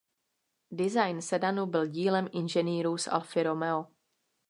Design sedanu byl dílem inženýrů z Alfy Romeo.